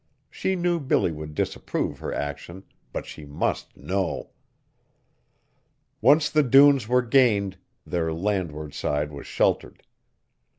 She knew Billy would disapprove her action, but she must know! Once the dunes were gained, their landward side was sheltered.